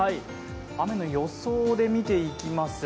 雨の予想で見ていきます。